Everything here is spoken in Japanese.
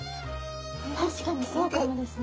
確かにそうかもですね。